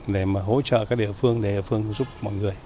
để hỗ trợ các địa phương để phương giúp mọi người